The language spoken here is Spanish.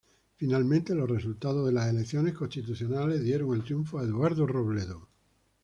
Finalmente los resultados de las Elecciones constitucionales dieron el triunfo a Eduardo Robledo.